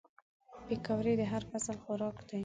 پکورې د هر فصل خوراک دي